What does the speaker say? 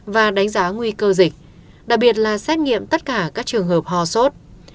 và đánh giá nguy cơ dịch đặc biệt là xét nghiệm tất cả các trường hợp ho sốt